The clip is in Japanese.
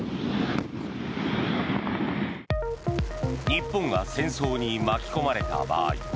日本が戦争に巻き込まれた場合